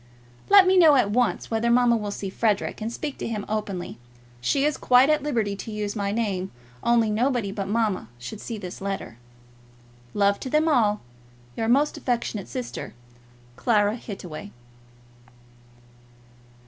Let me know at once whether mamma will see Frederic, and speak to him openly. She is quite at liberty to use my name; only nobody but mamma should see this letter. Love to them all, Your most affectionate sister, CLARA HITTAWAY.